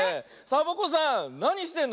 サボ子さん